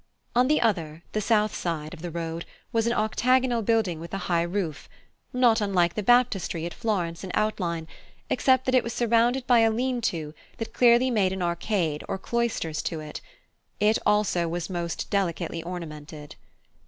On the other, the south side, of the road was an octagonal building with a high roof, not unlike the Baptistry at Florence in outline, except that it was surrounded by a lean to that clearly made an arcade or cloisters to it: it also was most delicately ornamented.